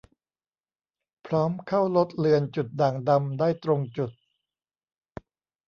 พร้อมเข้าลดเลือนจุดด่างดำได้ตรงจุด